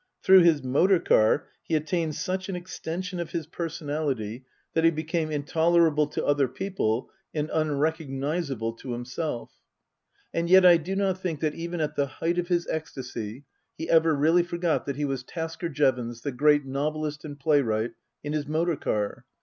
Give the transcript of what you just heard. Through his motor car he attained such an extension of his personality Book II : Her Book 217 that he became intolerable to other people and unrecogniz able to himself. And yet I do not think that even at the height of his ecstasy he ever really forgot that he was Tasker Jevons, the great novelist and playwright, in his motor car.